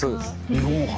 日本初。